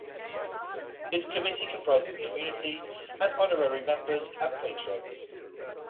Its committee comprises community and honorary members, and patrons.